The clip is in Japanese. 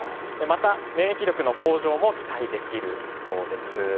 また免疫力の向上も期待できるそうです。